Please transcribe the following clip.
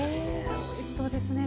おいしそうですね。